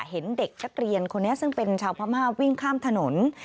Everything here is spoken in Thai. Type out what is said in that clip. เห็นเด็กนักเรียนคนนี้ซึ่งเป็นชาวพม่าวิ่งข้ามถนน